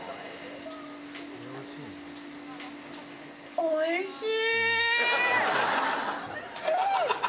おいしい。